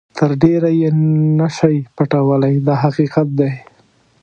تر ډېره یې نه شئ پټولای دا حقیقت دی.